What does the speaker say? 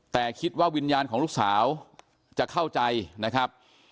แต่คิดว่าวิญญาณของลูกสาวจะเข้าใจนะครับ